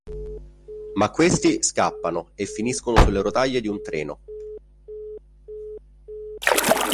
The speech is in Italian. Ma questi scappano, e finiscono sulle rotaie di un treno.